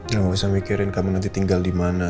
kamu bisa mikirin kamu nanti tinggal dimana